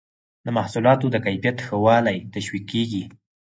د محصولاتو د کیفیت ښه والی تشویقیږي.